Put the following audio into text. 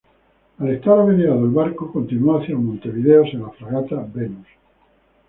Al estar averiado el barco, continuó hacia Montevideo en la fragata "Venus".